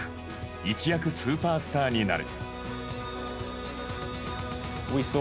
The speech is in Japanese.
一躍スーパースターになる。